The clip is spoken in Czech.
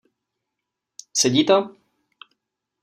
Sedí to?